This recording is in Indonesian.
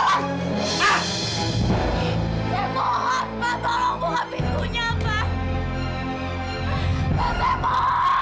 bunga pintunya pak